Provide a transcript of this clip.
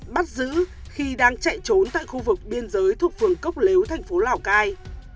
bắt giữ khi đang chạy trốn tại khu vực biên giới thuộc phường cốc lếu thành phố lào cai